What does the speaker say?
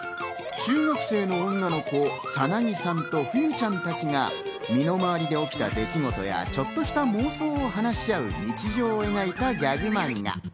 中学生の女の子・サナギさんと、フユちゃんたちが、身の回りで起きた出来事や、ちょっとした妄想を話し合う日常を描いたギャグマンガ。